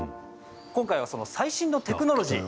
今回はその最新のテクノロジー